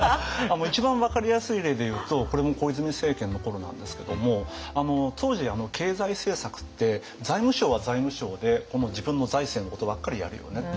一番分かりやすい例でいうとこれも小泉政権の頃なんですけども当時経済政策って財務省は財務省で自分の財政のことばっかりやるよねと。